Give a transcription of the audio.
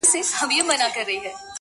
o مځکه هغه سوځي، چي اور پر بل وي.